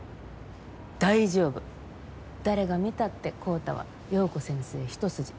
大丈夫誰が見たって昂太は陽子先生一筋。